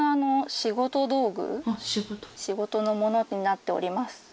仕事の物になっております。